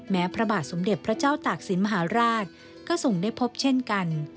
พระบาทสมเด็จพระเจ้าตากศิลปมหาราชก็ส่งได้พบเช่นกัน